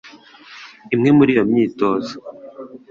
Imwe muri iyo myitozo